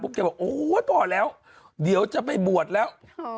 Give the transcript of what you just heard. แกบอกโอ้โหพอแล้วเดี๋ยวจะไปบวชแล้ว